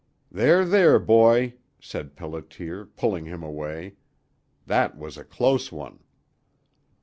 "There, there, boy," said Pelliter, pulling him away. "That was a close one!"